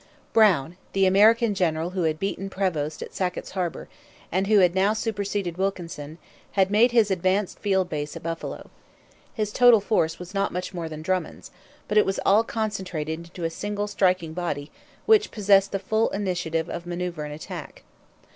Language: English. Brown, the American general who had beaten Prevost at Sackett's Harbour and who had now superseded Wilkinson, had made his advanced field base at Buffalo. His total force was not much more than Drummond's. But it was all concentrated into a single striking body which possessed the full initiative of manoeuvre and attack.